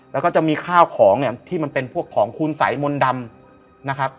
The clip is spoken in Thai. แล้วก็จะมีข้าวของเนี่ยที่มันเป็นพวกของคุณสัยมนต์ดำนะครับ